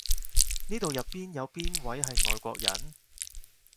呢度入邊有邊位係外國人？